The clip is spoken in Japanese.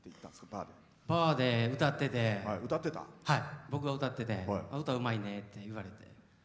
バーで歌ってて、僕が歌ってて歌、うまいねって言われて。